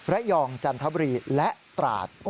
และยองจันทบุรีและตราศ